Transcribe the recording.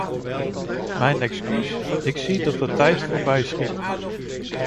Mijn excuses, ik zie dat de tijd voorbij schiet.